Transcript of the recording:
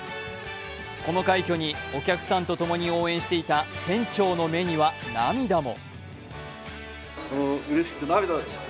この快挙にお客さんとともに応援していた店長の目には涙も。